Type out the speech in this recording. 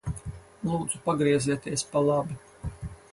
Lūdzu pagriezieties pa labi.